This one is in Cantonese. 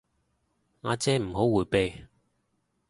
阿姐唔好迴避